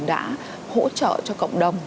đã hỗ trợ cho cộng đồng